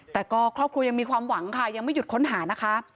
แต่ก็ครอบครัวยังมีความหวังค่ะยังไม่หยุดค้นหานะคะ